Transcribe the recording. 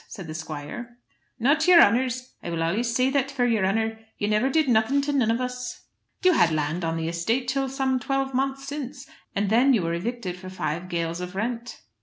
said the squire. "Not yer honour's. I will allys say that for your honour. You never did nothing to none of us." "You had land on the estate till some twelve months since, and then you were evicted for five gales of rent."